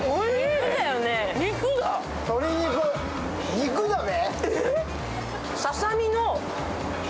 肉だね。